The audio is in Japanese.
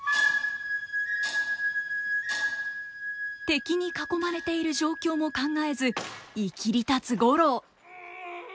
敵に囲まれている状況も考えずいきりたつ五郎。